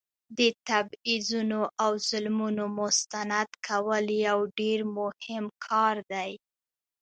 د تبعیضونو او ظلمونو مستند کول یو ډیر مهم کار دی.